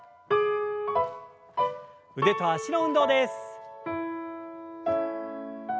腕と脚の運動です。